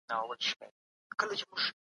څېړنه کله کله له طب سره اړيکه پیدا کوي.